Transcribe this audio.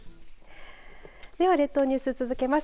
では列島ニュース続けます。